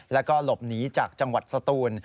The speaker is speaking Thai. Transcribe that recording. แล้วก็หลบหนีจากจังหวัดสตูน